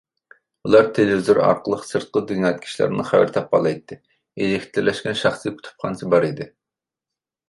ئۇلار تېلېۋىزور ئارقىلىق سىرتقى دۇنيادىكى ئىشلاردىن خەۋەر تاپالايتتى ئېلېكترلەشكەن شەخسىي كۇتۇپخانىسى بار ئىدى.